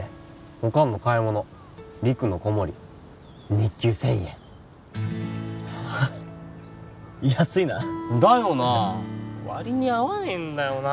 おかんの買い物陸の子守日給１０００円安いなだよな割に合わねえんだよな